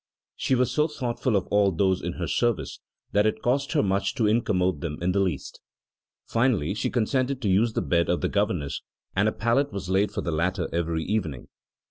She was so thoughtful of all those in her service that it cost her much to incommode them in the least. Finally, she consented to use the bed of the governess, and a pallet was laid for the latter every evening.